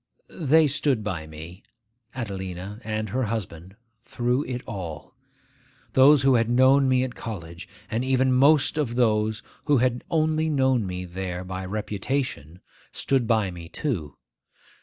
They stood by me, Adelina and her husband, through it all. Those who had known me at college, and even most of those who had only known me there by reputation, stood by me too.